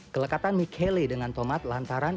kelekatan michele dengan tomat lantaran